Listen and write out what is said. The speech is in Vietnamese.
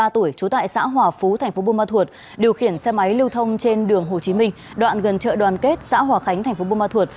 ba mươi tuổi trú tại xã hòa phú thành phố buôn ma thuột điều khiển xe máy lưu thông trên đường hồ chí minh đoạn gần chợ đoàn kết xã hòa khánh thành phố buôn ma thuột